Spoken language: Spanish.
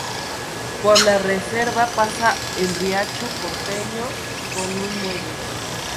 Por la Reserva pasa el Riacho Porteño, con un muelle.